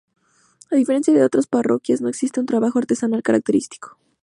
A diferencia de otras parroquias no existe un trabajo artesanal característico.